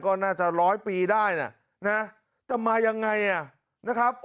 ก็น่าจะร้อยปีได้นะแต่มายังไงอ่ะนะครับ